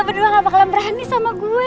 lo berdua nggak bakalan berani sama gue